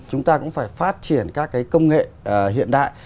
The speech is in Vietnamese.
chúng ta cũng phải phát triển các cái công nghệ hiện đại